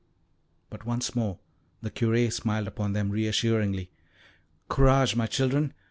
But once more the Curé smiled upon them reassuringly. "Courage, my children!